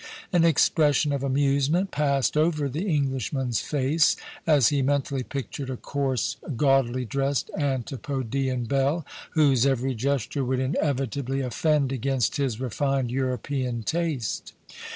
An expression of amusement passed over the Englishman's face, as he mentally pictured a coarse, gaudily dressed Antipodean belle, whose every gesture would inevitably offend against his refined European taste.